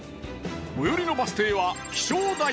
最寄りのバス停は気象台。